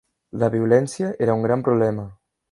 La violència era un gran problema.